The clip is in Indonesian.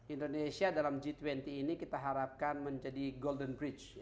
indonesia dalam g dua puluh ini kita harapkan menjadi golden bridge